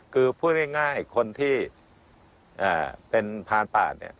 คือพูดง่ายคนที่เป็นพานป่าเนี่ย